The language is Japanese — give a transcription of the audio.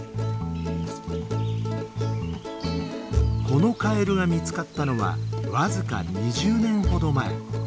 このカエルが見つかったのは僅か２０年ほど前。